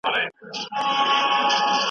خلک له قانون سره برابر دي.